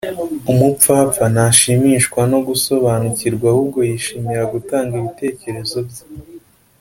umupfapfa ntashimishwa no gusobanukirwa ahubwo yishimira gutanga ibitekerezo bye